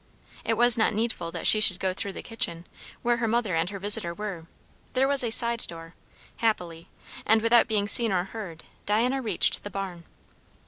It was not needful that she should go through the kitchen, where her mother and her visitor were; there was a side door, happily; and without being seen or heard, Diana reached the barn.